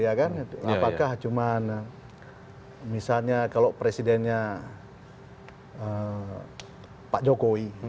apakah cuma misalnya kalau presidennya pak jokowi